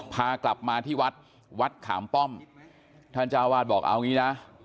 พากลับมาที่วัดวัดขามป้อมท่านเจ้าวาดบอกเอางี้นะ